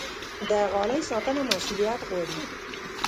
د غالۍ ساتنه مسوولیت غواړي.